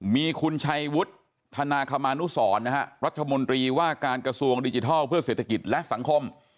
มีคุณชัยวุฒิธนาคมานุสรนะฮะรัฐมนตรีว่าการกระทรวงดิจิทัลเพื่อเศรษฐกิจและสังคม